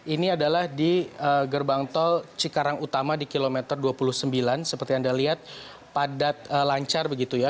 ini adalah di gerbang tol cikarang utama di kilometer dua puluh sembilan seperti anda lihat padat lancar begitu ya